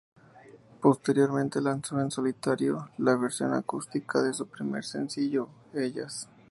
Posteriormente lanzó en solitario la versión acústica de su primer sencillo "Ellas".